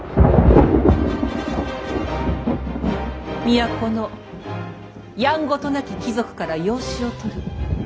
都のやんごとなき貴族から養子を取る。